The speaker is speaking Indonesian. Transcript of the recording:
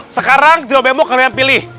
sekarang jawabannya kalian pilih